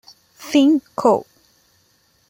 Thing Co.